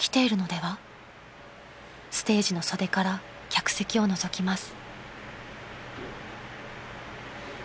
［ステージの袖から客席をのぞきます］